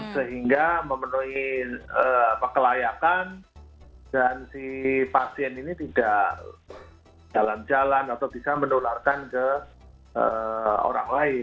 sehingga memenuhi kelayakan dan si pasien ini tidak jalan jalan atau bisa menularkan ke orang lain